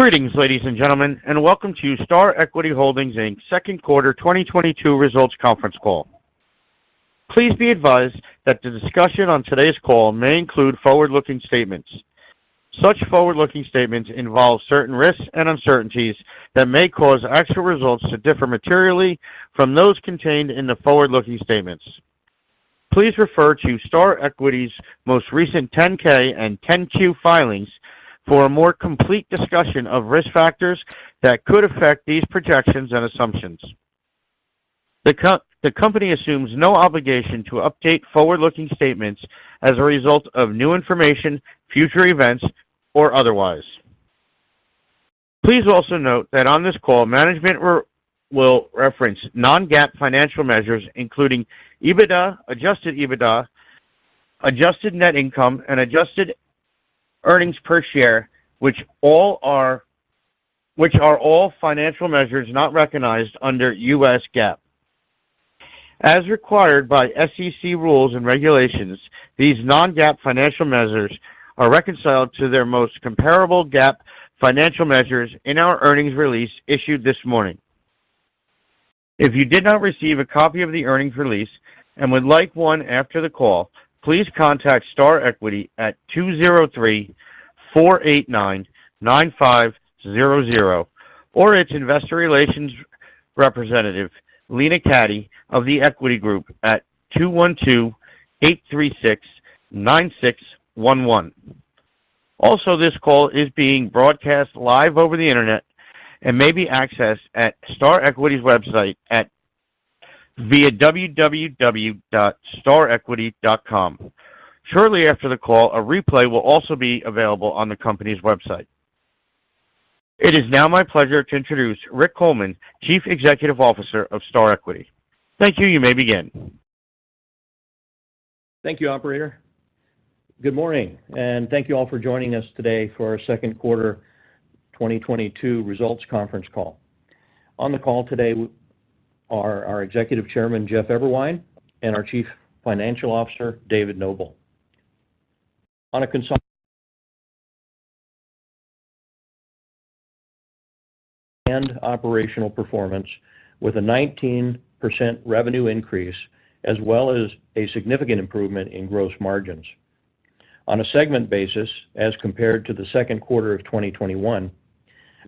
Greetings, ladies and gentlemen, and welcome to Star Equity Holdings, Inc.'s second quarter 2022 results conference call. Please be advised that the discussion on today's call may include forward-looking statements. Such forward-looking statements involve certain risks and uncertainties that may cause actual results to differ materially from those contained in the forward-looking statements. Please refer to Star Equity's most recent 10-K and 10-Q filings for a more complete discussion of risk factors that could affect these projections and assumptions. The company assumes no obligation to update forward-looking statements as a result of new information, future events, or otherwise. Please also note that on this call, management will reference non-GAAP financial measures, including EBITDA, adjusted EBITDA, adjusted net income, and adjusted earnings per share, which are all financial measures not recognized under U.S. GAAP. As required by SEC rules and regulations, these non-GAAP financial measures are reconciled to their most comparable GAAP financial measures in our earnings release issued this morning. If you did not receive a copy of the earnings release and would like one after the call, please contact Star Equity at two zero three four eight nine nine five zero zero, or its investor relations representative, Lena Cati of The Equity Group, at two one two eight three six nine six one one. Also, this call is being broadcast live over the Internet and may be accessed at Star Equity's website via www.starequity.com. Shortly after the call, a replay will also be available on the company's website. It is now my pleasure to introduce Rick Coleman, Chief Executive Officer of Star Equity. Thank you. You may begin. Thank you, operator. Good morning, and thank you all for joining us today for our second quarter 2022 results conference call. On the call today are our Executive Chairman, Jeff Eberwein, and our Chief Financial Officer, David Noble. On a consolidated and operational performance, with a 19% revenue increase as well as a significant improvement in gross margins. On a segment basis, as compared to the second quarter of 2021,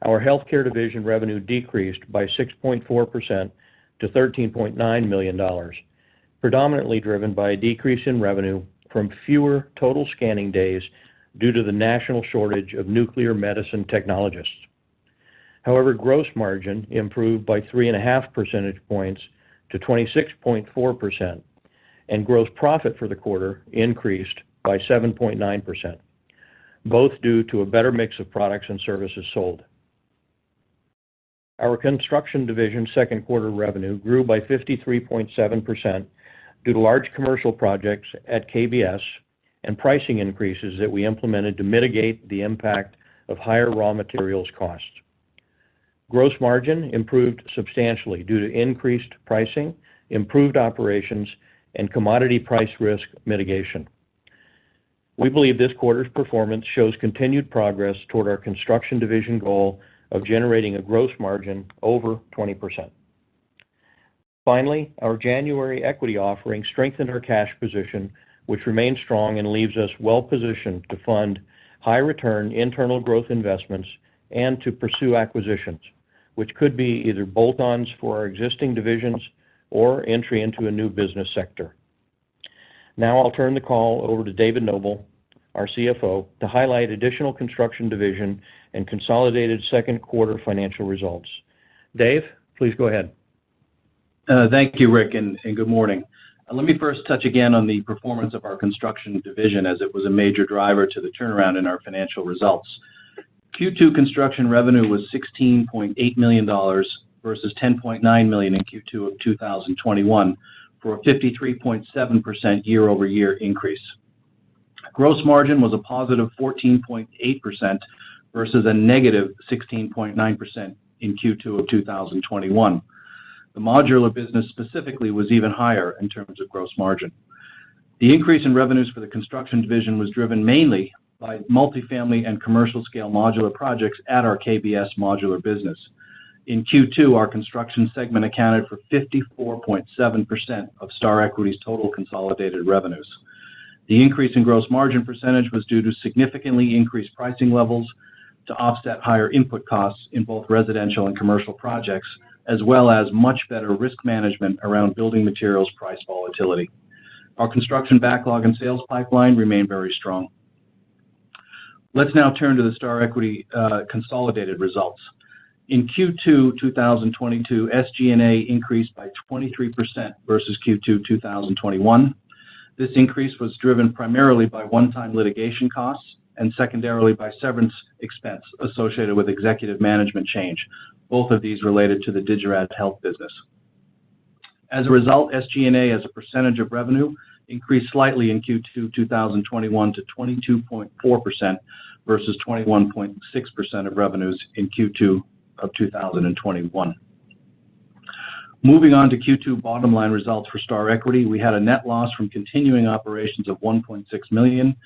our healthcare division revenue decreased by 6.4% to $13.9 million, predominantly driven by a decrease in revenue from fewer total scanning days due to the national shortage of nuclear medicine technologists. However, gross margin improved by 3.5 percentage points to 26.4%, and gross profit for the quarter increased by 7.9%, both due to a better mix of products and services sold. Our construction division second quarter revenue grew by 53.7% due to large commercial projects at KBS and pricing increases that we implemented to mitigate the impact of higher raw materials costs. Gross margin improved substantially due to increased pricing, improved operations, and commodity price risk mitigation. We believe this quarter's performance shows continued progress toward our construction division goal of generating a gross margin over 20%. Finally, our January equity offering strengthened our cash position, which remains strong and leaves us well-positioned to fund high-return internal growth investments and to pursue acquisitions, which could be either bolt-ons for our existing divisions or entry into a new business sector. Now I'll turn the call over to David Noble, our CFO, to highlight additional construction division and consolidated second quarter financial results. Dave, please go ahead. Thank you, Rick, and good morning. Let me first touch again on the performance of our construction division, as it was a major driver to the turnaround in our financial results. Q2 construction revenue was $16.8 million versus $10.9 million in Q2 of 2021 for a 53.7% year-over-year increase. Gross margin was a +14.8% versus a -16.9% in Q2 of 2021. The modular business specifically was even higher in terms of gross margin. The increase in revenues for the construction division was driven mainly by multifamily and commercial-scale modular projects at our KBS modular business. In Q2, our construction segment accounted for 54.7% of Star Equity's total consolidated revenues. The increase in gross margin percentage was due to significantly increased pricing levels to offset higher input costs in both residential and commercial projects, as well as much better risk management around building materials price volatility. Our construction backlog and sales pipeline remain very strong. Let's now turn to the Star Equity consolidated results. In Q2 2022, SG&A increased by 23% versus Q2 2021. This increase was driven primarily by one-time litigation costs and secondarily by severance expense associated with executive management change, both of these related to the Digirad Health business. As a result, SG&A, as a percentage of revenue, increased slightly in Q2 2022 to 22.4% versus 21.6% of revenues in Q2 of 2021. Moving on to Q2 bottom-line results for Star Equity. We had a net loss from continuing operations of $1.6 million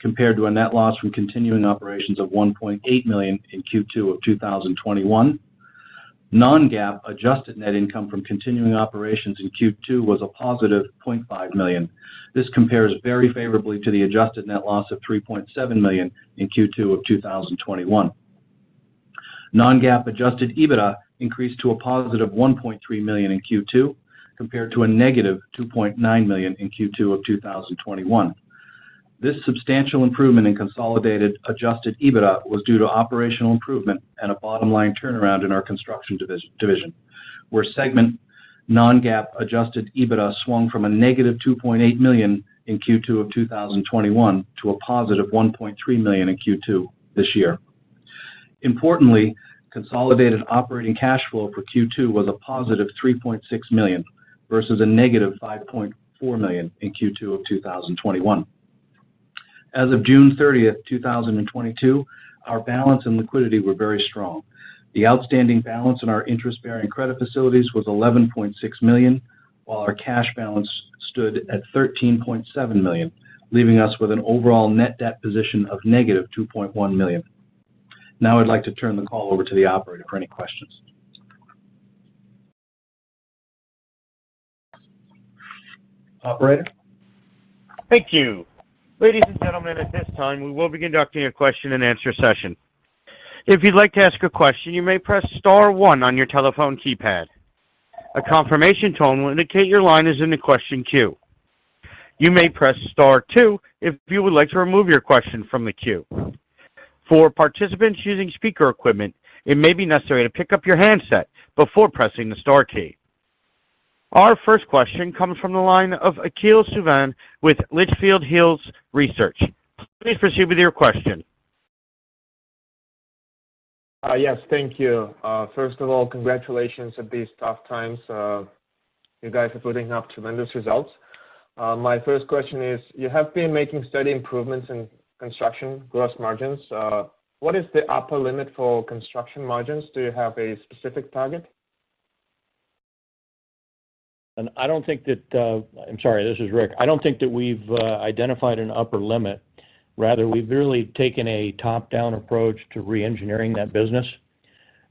compared to a net loss from continuing operations of $1.8 million in Q2 of 2021. Non-GAAP adjusted net income from continuing operations in Q2 was a $+0.5 million. This compares very favorably to the adjusted net loss of $3.7 million in Q2 of 2021. Non-GAAP adjusted EBITDA increased to a $+1.3 million in Q2 compared to a $-2.9 million in Q2 of 2021. This substantial improvement in consolidated adjusted EBITDA was due to operational improvement and a bottom-line turnaround in our construction division, where segment non-GAAP adjusted EBITDA swung from a $-2.8 million in Q2 of 2021 to a $+1.3 million in Q2 this year. Importantly, consolidated operating cash flow for Q2 was a $+3.6 million versus a $-5.4 million in Q2 of 2021. As of June 30th, 2022, our balance and liquidity were very strong. The outstanding balance in our interest-bearing credit facilities was $11.6 million, while our cash balance stood at $13.7 million, leaving us with an overall net debt position of $-2.1 million. Now I'd like to turn the call over to the operator for any questions. Operator? Thank you. Ladies and gentlemen, at this time, we will be conducting a question-and-answer session. If you'd like to ask a question, you may press star one on your telephone keypad. A confirmation tone will indicate your line is in the question queue. You may press star two if you would like to remove your question from the queue. For participants using speaker equipment, it may be necessary to pick up your handset before pressing the star key. Our first question comes from the line of Theodore O'Neill with Litchfield Hills Research. Please proceed with your question. Yes, thank you. First of all, congratulations in these tough times. You guys are putting up tremendous results. My first question is, you have been making steady improvements in construction gross margins. What is the upper limit for construction margins? Do you have a specific target? I'm sorry, this is Rick. I don't think that we've identified an upper limit. Rather, we've really taken a top-down approach to re-engineering that business.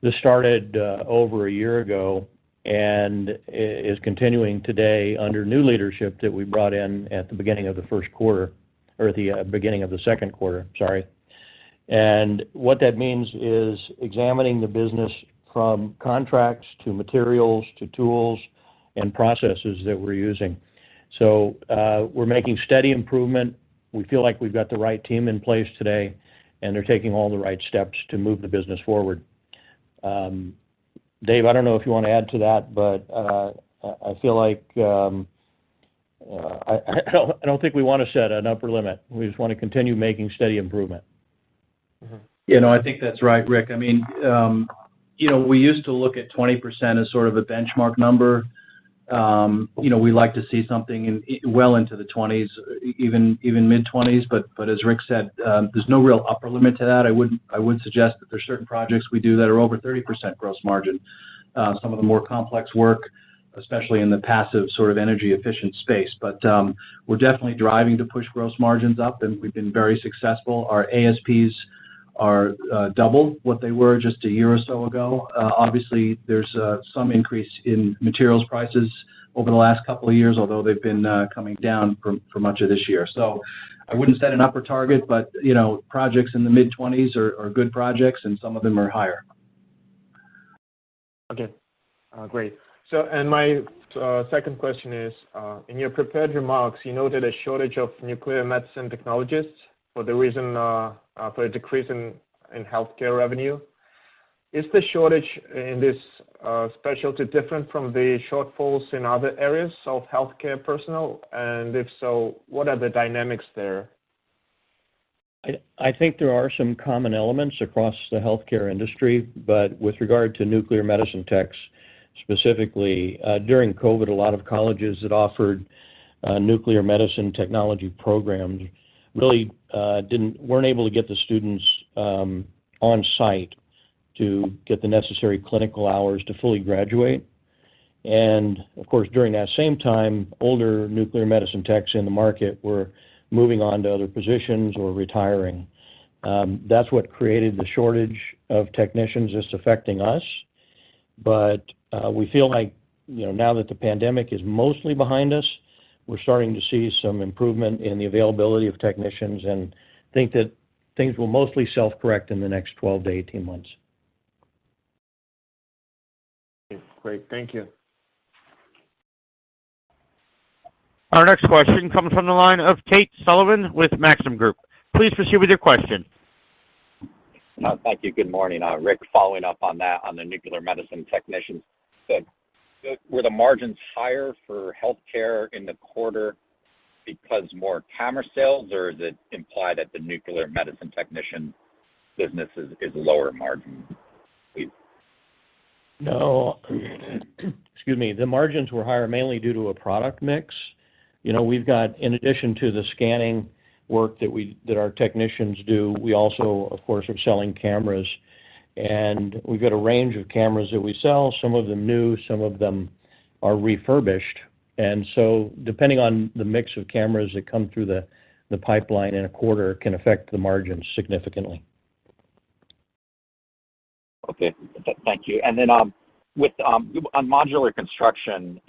This started over a year ago and is continuing today under new leadership that we brought in at the beginning of the first quarter or the beginning of the second quarter, sorry. What that means is examining the business from contracts to materials to tools and processes that we're using. We're making steady improvement. We feel like we've got the right team in place today, and they're taking all the right steps to move the business forward. Dave, I don't know if you want to add to that, but I feel like I don't think we want to set an upper limit. We just want to continue making steady improvement. You know, I think that's right, Rick. I mean, you know, we used to look at 20% as sort of a benchmark number. You know, we like to see something in well, into the 20s, even mid-20s. As Rick said, there's no real upper limit to that. I would suggest that there are certain projects we do that are over 30% gross margin. Some of the more complex work, especially in the passive sort of energy-efficient space. We're definitely driving to push gross margins up, and we've been very successful. Our ASPs are double what they were just a year or so ago. Obviously, there's some increase in materials prices over the last couple of years, although they've been coming down for much of this year. I wouldn't set an upper target, but you know, projects in the mid-20s are good projects, and some of them are higher. Okay, great. My second question is, in your prepared remarks, you noted a shortage of nuclear medicine technologists for the reason for a decrease in healthcare revenue. Is the shortage in this specialty different from the shortfalls in other areas of healthcare personnel? If so, what are the dynamics there? I think there are some common elements across the healthcare industry. With regard to nuclear medicine techs, specifically, during COVID, a lot of colleges that offered nuclear medicine technology programs really weren't able to get the students on site to get the necessary clinical hours to fully graduate. Of course, during that same time, older nuclear medicine techs in the market were moving on to other positions or retiring. That's what created the shortage of technicians that's affecting us. We feel like, you know, now that the pandemic is mostly behind us, we're starting to see some improvement in the availability of technicians and think that things will mostly self-correct in the next 12-18 months. Great. Thank you. Our next question comes from the line of Tate Sullivan with Maxim Group. Please proceed with your question. Thank you. Good morning. Rick, following up on that, on the nuclear medicine technicians. Were the margins higher for healthcare in the quarter because of more camera sales, or does it imply that the nuclear medicine technician business is lower margin? No. Excuse me. The margins were higher mainly due to a product mix. You know, we've got in addition to the scanning work that our technicians do, we also, of course, are selling cameras. We've got a range of cameras that we sell, some of them new, some of them are refurbished. Depending on the mix of cameras that come through the pipeline in a quarter can affect the margin significantly. Okay. Thank you. On modular construction,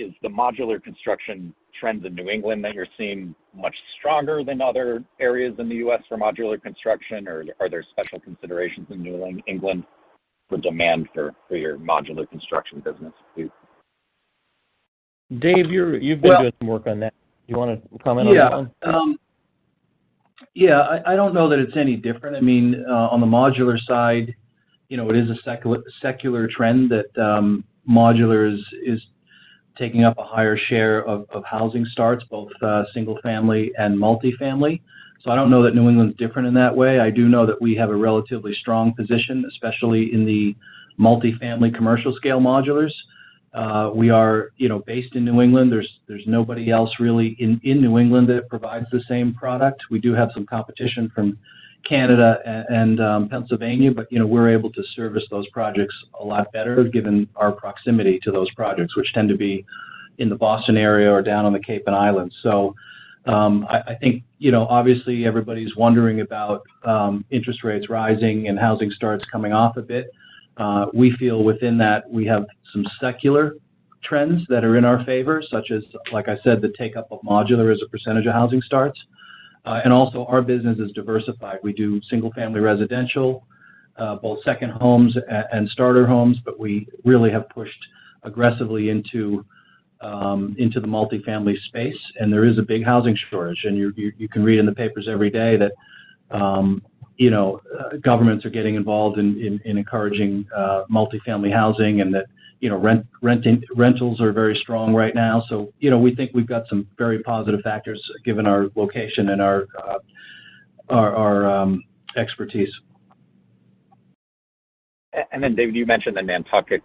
is the modular construction trends in New England that you're seeing much stronger than other areas in the U.S. for modular construction? Or are there special considerations in New England for demand for your modular construction business, please? Dave, you've been doing some work on that. You wanna comment on that one? Yeah. I don't know that it's any different. I mean, on the modular side, you know, it is a secular trend that modular is taking up a higher share of housing starts, both single-family and multifamily. I don't know that New England is different in that way. I do know that we have a relatively strong position, especially in the multifamily commercial scale modulars. We are, you know, based in New England, there's nobody else really in New England that provides the same product. We do have some competition from Canada and Pennsylvania, but, you know, we're able to service those projects a lot better given our proximity to those projects, which tend to be in the Boston area or down on the Cape and Islands. I think, you know, obviously everybody's wondering about interest rates rising and housing starts coming off a bit. We feel within that we have some secular trends that are in our favor, such as, like I said, the take-up of modular as a percentage of housing starts. Our business is diversified. We do single-family residential, both second homes and starter homes, but we really have pushed aggressively into the multifamily space, and there is a big housing shortage. You can read in the papers every day that, you know, governments are getting involved in encouraging multifamily housing and that, you know, rentals are very strong right now. You know, we think we've got some very positive factors given our location and our expertise. David, you mentioned the Nantucket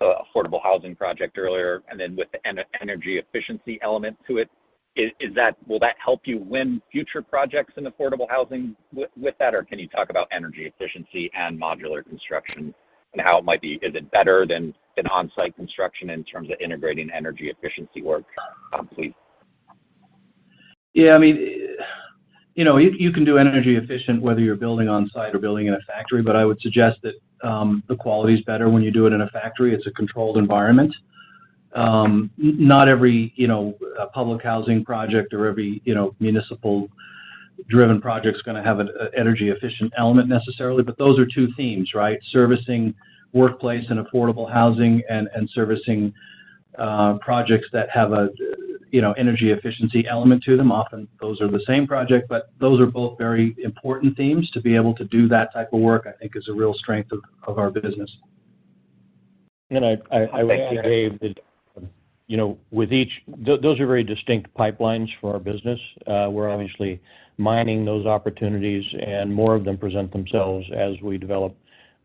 affordable housing project earlier, and then with the energy efficiency element to it. Will that help you win future projects in affordable housing with that? Or can you talk about energy efficiency and modular construction, and how it might be? Is it better than an on-site construction in terms of integrating energy efficiency work, please? Yeah, I mean, you know, you can do energy efficient whether you're building on-site or building in a factory, but I would suggest that the quality is better when you do it in a factory. It's a controlled environment. Not every, you know, public housing project or every, you know, municipally driven project is gonna have an energy efficient element necessarily, but those are two themes, right? Servicing workplace and affordable housing and servicing projects that have a, you know, energy efficiency element to them. Often, those are the same project, but those are both very important themes. To be able to do that type of work, I think, is a real strength of our business. Thank you. I would add, Dave, that, you know, those are very distinct pipelines for our business. We're obviously mining those opportunities, and more of them present themselves as we develop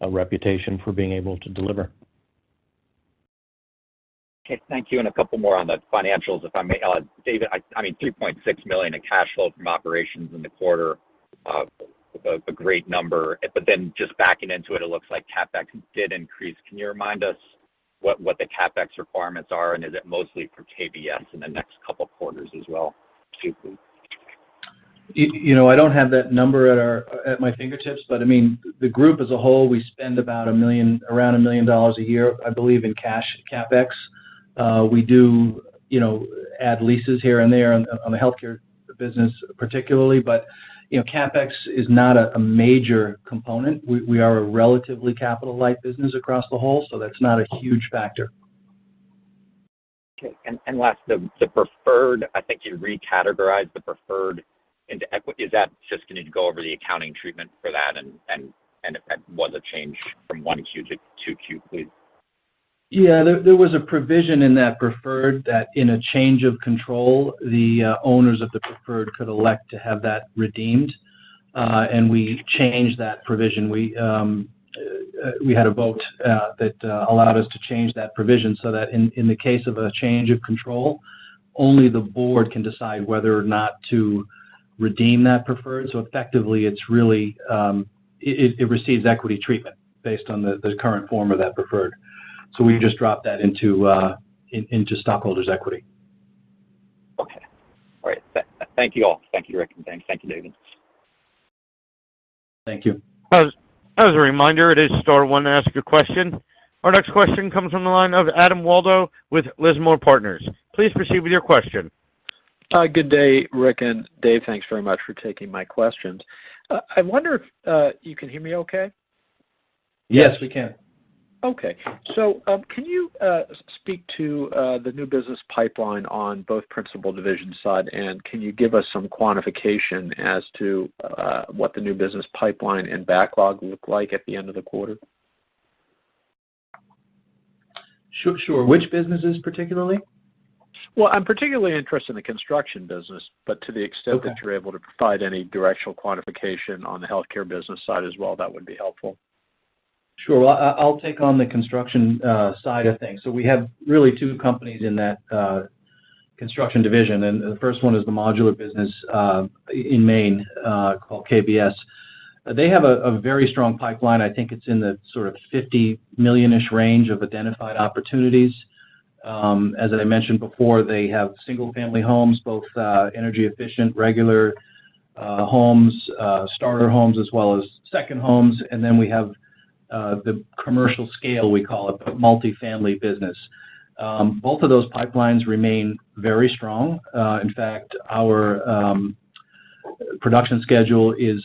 a reputation for being able to deliver. Okay. Thank you. A couple more on the financials, if I may. David, I mean, $3.6 million in cash flow from operations in the quarter, a great number. Then, just backing into it looks like CapEx did increase. Can you remind us what the CapEx requirements are, and is it mostly for KBS in the next couple of quarters as well, too, please? You know, I don't have that number at my fingertips, but I mean, the group as a whole, we spend around $1 million a year, I believe, in cash CapEx. We do, you know, add leases here and there on the healthcare business, particularly. You know, CapEx is not a major component. We are a relatively capital-light business across the whole, so that's not a huge factor. Last, the preferred, I think you re-categorized the preferred into equity. Can you go over the accounting treatment for that, and if that was a change from 1Q to 2Q, please? Yeah. There was a provision in that preferred that, in a change of control, the owners of the preferred could elect to have that redeemed, and we changed that provision. We had a vote that allowed us to change that provision so that in the case of a change of control, only the board can decide whether or not to redeem that preferred. Effectively, it's really it receives equity treatment based on the current form of that preferred. We just dropped that into stockholders' equity. Okay. All right. Thank you all. Thank you, Rick, and thank you, David. Thank you. As a reminder, it is star one to ask a question. Our next question comes from the line of Adam Waldo with Lismore Partners. Please proceed with your question. Hi. Good day, Rick and Dave. Thanks very much for taking my questions. I wonder if you can hear me okay? Yes, we can. Okay. Can you speak to the new business pipeline on both principal division side? Can you give us some quantification as to what the new business pipeline and backlog look like at the end of the quarter? Sure. Which businesses, particularly? Well, I'm particularly interested in the construction business, but to the extent- Okay. That you're able to provide any directional quantification on the healthcare business side as well, that would be helpful. Sure. Well, I'll take on the construction side of things. We have really two companies in that construction division, and the first one is the modular business in Maine called KBS. They have a very strong pipeline. I think it's in the sort of $50 million-ish range of identified opportunities. As I mentioned before, they have single-family homes, both energy-efficient, regular homes, starter homes, as well as second homes. Then we have the commercial scale, we call it, multifamily business. Both of those pipelines remain very strong. In fact, our production schedule is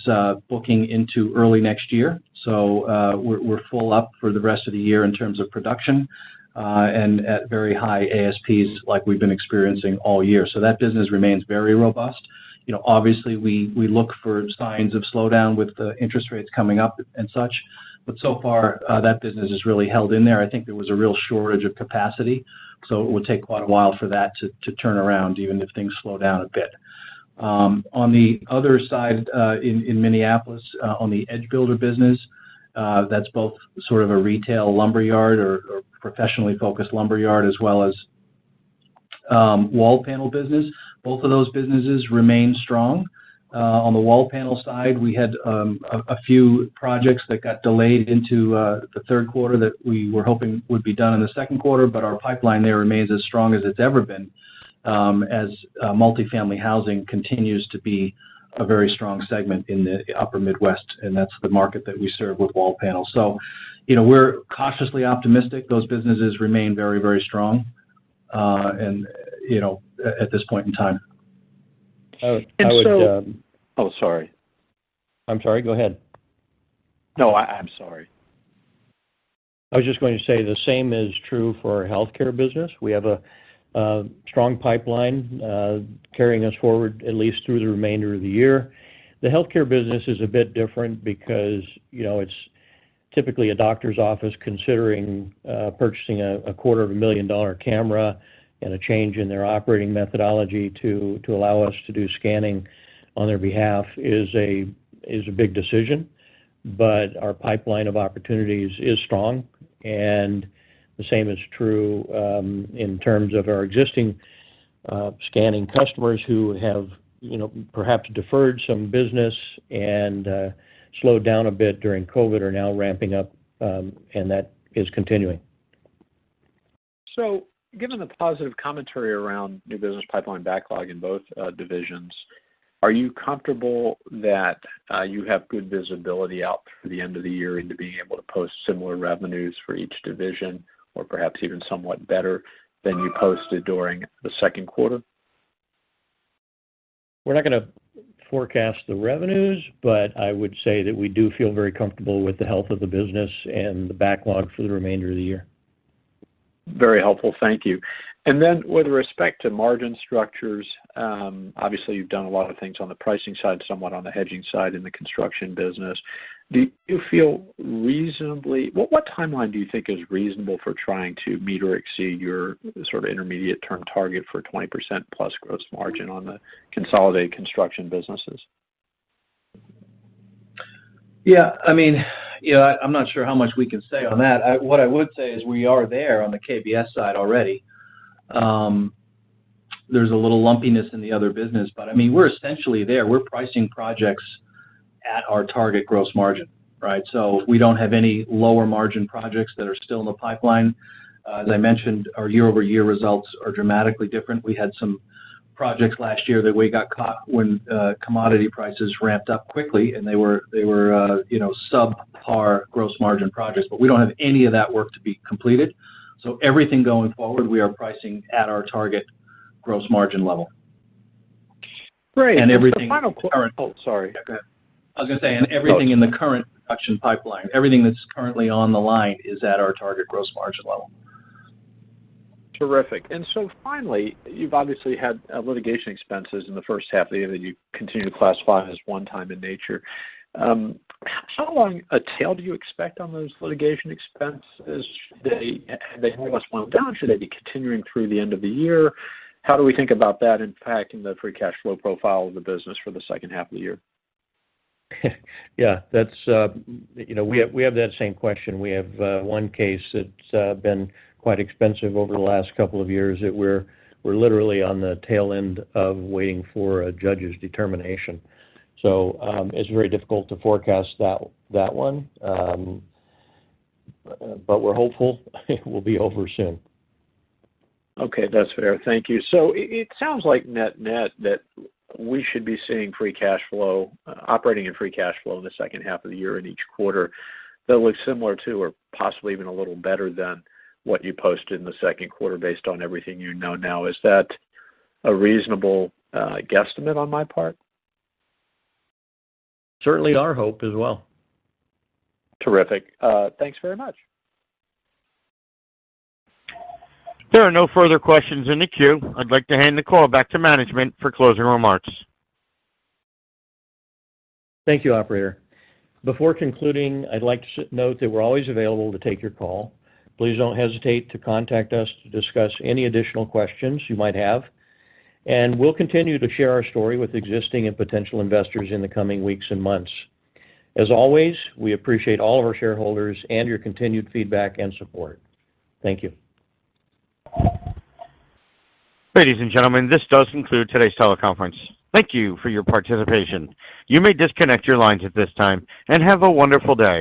booking into early next year. We're full up for the rest of the year in terms of production and at very high ASPs like we've been experiencing all year. That business remains very robust. You know, obviously, we look for signs of slowdown with the interest rates coming up and such, but so far, that business has really held in there. I think there was a real shortage of capacity, so it will take quite a while for that to turn around, even if things slow down a bit. On the other side, in Minneapolis, on the EdgeBuilder business, that's both sort of a retail lumberyard or professionally focused lumberyard as well as wall panel business. Both of those businesses remain strong. On the wall panel side, we had a few projects that got delayed into the third quarter that we were hoping would be done in the second quarter. Our pipeline there remains as strong as it's ever been, as multifamily housing continues to be a very strong segment in the upper Midwest, and that's the market that we serve with wall panels. You know, we're cautiously optimistic. Those businesses remain very, very strong, and you know, at this point in time. I would- And so- Oh, sorry. I'm sorry. Go ahead. No, I'm sorry. I was just going to say the same is true for our healthcare business. We have a strong pipeline carrying us forward at least through the remainder of the year. The healthcare business is a bit different because, you know, it's typically a doctor's office. Considering purchasing a quarter of a million-dollar camera and a change in their operating methodology to allow us to do scanning on their behalf is a big decision. Our pipeline of opportunities is strong, and the same is true in terms of our existing scanning customers who have, you know, perhaps deferred some business and slowed down a bit during COVID, are now ramping up, and that is continuing. Given the positive commentary around new business pipeline backlog in both divisions, are you comfortable that you have good visibility out through the end of the year into being able to post similar revenues for each division or perhaps even somewhat better than you posted during the second quarter? We're not gonna forecast the revenues, but I would say that we do feel very comfortable with the health of the business and the backlog for the remainder of the year. Very helpful. Thank you. With respect to margin structures, obviously, you've done a lot of things on the pricing side, somewhat on the hedging side in the construction business. What timeline do you think is reasonable for trying to meet or exceed your sort of intermediate-term target for 20%+ gross margin on the consolidated construction businesses? Yeah, I mean, you know, I'm not sure how much we can say on that. What I would say is we are there on the KBS side already. There's a little lumpiness in the other business, but I mean, we're essentially there. We're pricing projects at our target gross margin, right? We don't have any lower margin projects that are still in the pipeline. As I mentioned, our year-over-year results are dramatically different. We had some projects last year that we got caught when commodity prices ramped up quickly, and they were, you know, subpar gross margin projects. We don't have any of that work to be completed. Everything going forward, we are pricing at our target gross margin level. Great. And everything current- Oh, sorry. Go ahead. I was gonna say, everything in the current production pipeline, everything that's currently on the line is at our target gross margin level. Terrific. Finally, you've obviously had litigation expenses in the first half of the year that you continue to classify as one-time in nature. How long a tail do you expect on those litigation expenses? Have they almost wound down? Should they be continuing through the end of the year? How do we think about that impacting the free cash flow profile of the business for the second half of the year? Yeah, that's. You know, we have that same question. We have one case that's been quite expensive over the last couple of years that we're literally on the tail end of waiting for a judge's determination. It's very difficult to forecast that one. We're hopeful it will be over soon. Okay. That's fair. Thank you. It sounds like net-net that we should be seeing free cash flow, operating and free cash flow in the second half of the year in each quarter that looks similar to or possibly even a little better than what you posted in the second quarter, based on everything you know now. Is that a reasonable guesstimate on my part? Certainly, Our hope as well. Terrific. Thanks very much. There are no further questions in the queue. I'd like to hand the call back to management for closing remarks. Thank you, operator. Before concluding, I'd like to note that we're always available to take your call. Please don't hesitate to contact us to discuss any additional questions you might have. We'll continue to share our story with existing and potential investors in the coming weeks and months. As always, we appreciate all of our shareholders and your continued feedback and support. Thank you. Ladies and gentlemen, this does conclude today's teleconference. Thank you for your participation. You may disconnect your lines at this time, and have a wonderful day.